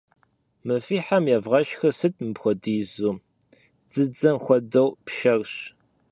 Мы фи хьэм евгъэшхыр сыт мыпхуэдизу? Дзыдзэм хуэдэу пшэрщ.